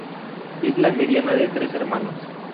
Es la mediana de tres hermanos.